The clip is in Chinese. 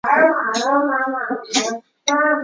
芒塔洛人口变化图示